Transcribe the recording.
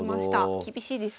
厳しいですね。